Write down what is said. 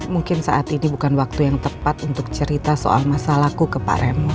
mungkin saat ini bukan waktu yang tepat untuk cerita soal masalahku ke pak remo